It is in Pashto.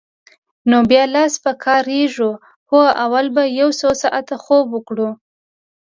نو بیا لاس په کار کېږو؟ هو، اول به یو څو ساعته خوب وکړو.